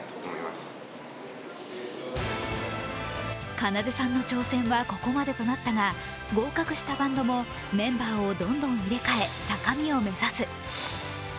奏さんの挑戦はここまでとなったが、合格したバンドもメンバーをどんどん入れ替え、高みを目指す。